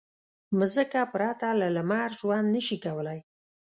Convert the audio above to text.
مځکه پرته له لمر ژوند نه شي کولی.